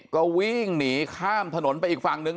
ก็วิ่งหนีข้ามถนนไปอีกฝั่งนึง